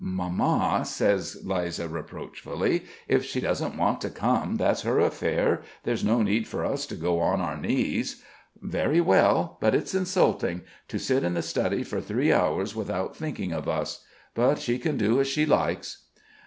"Mamma!" says Liza reproachfully, "If she doesn't want to come, that's her affair. There's no need for us to go on our knees." "Very well; but it's insulting. To sit in the study for three hours, without thinking of us. But she can do as she likes."